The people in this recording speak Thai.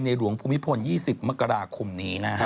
ในหลวงภูมิภล๒๐มกรคมนี้นะครับ